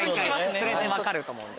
それで分かると思うんで。